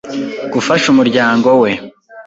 Gufasha umuryango we